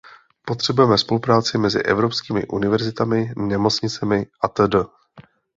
Potřebujeme spolupráci mezi evropskými univerzitami, nemocnicemi atd.